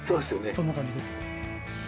そんな感じです。